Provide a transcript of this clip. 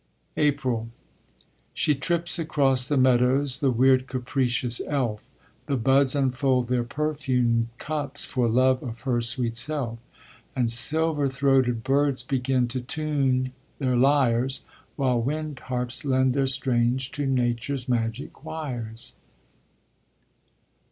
APRIL She trips across the meadows, The weird, capricious elf! The buds unfold their perfumed cups For love of her sweet self; And silver throated birds begin to tune their lyres, While wind harps lend their strains to Nature's magic choirs.